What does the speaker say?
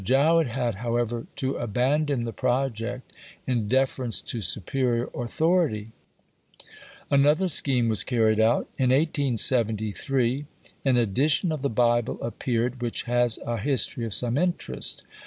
Jowett had, however, to abandon the project in deference to superior authority. Another scheme was carried out. In 1873 an edition of the Bible appeared which has a history of some interest.